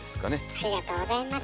ありがとうございます。